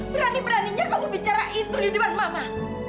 berani beraninya kamu bicara itu di depan mama